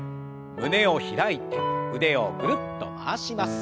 胸を開いて腕をぐるっと回します。